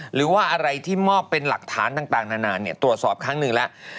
หรือว่าอะไรที่มอบเป็นหลักฐานต่างนานตรวจสอบครั้งหนึ่งแล้ว